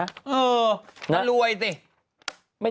เออน่ารวยสิ